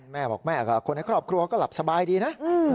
แม่บอกแม่กับคนในครอบครัวก็หลับสบายดีนะ